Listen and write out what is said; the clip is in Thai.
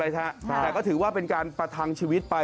แต่ก็ถือว่าเป็นการประทังชีวิตไป